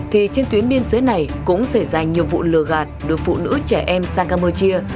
thì trên tuyến biên giới này cũng xảy ra nhiều vụ lừa gạt đưa phụ nữ trẻ em sang campuchia